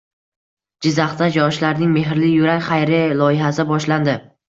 Jizzaxda yoshlarning “Mehrli yurak” xayriya loyihasi boshlandi